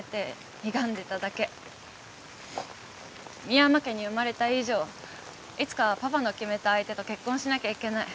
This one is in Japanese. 深山家に生まれた以上いつかはパパの決めた相手と結婚しなきゃいけない。